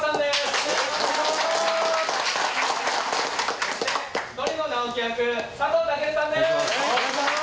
お願いします